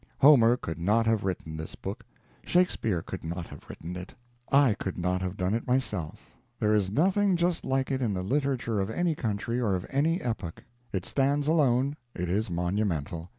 Homer could not have written this book, Shakespeare could not have written it, I could not have done it myself. There is nothing just like it in the literature of any country or of any epoch. It stands alone; it is monumental.